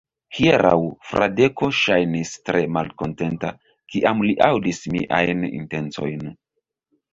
Hieraŭ Fradeko ŝajnis tre malkontenta, kiam li aŭdis miajn intencojn.